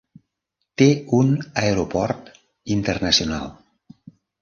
Té un aeroport internacional.